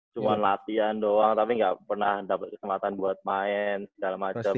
cuma latihan doang tapi nggak pernah dapet kesempatan buat main segala macem